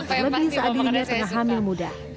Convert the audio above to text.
terlebih saat dia pernah hamil muda